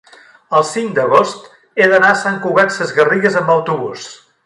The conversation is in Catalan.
el cinc d'agost he d'anar a Sant Cugat Sesgarrigues amb autobús.